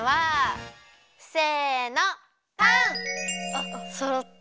あっそろった。